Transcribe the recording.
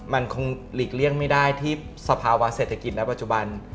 มันคงหลีกเลี่ยงไม่ได้ที่สภาวะเศรษฐกิจณปัจจุบัน